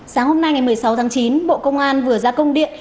sáng hôm nay ngày một mươi sáu tháng chín bộ công an vừa ra công điện